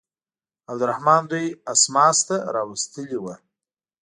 عبدالرحمن دوی اسماس ته راوستلي وه.